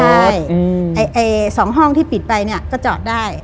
ใช่ไอ้๒ห้องที่ปิดไปเนี่ยก็จอดได้